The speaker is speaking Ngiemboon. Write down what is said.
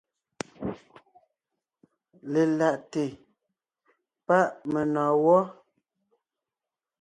Lelaʼte páʼ menɔ̀ɔn gwɔ́.